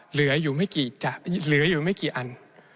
เหลืออยู่ไม่กี่อัน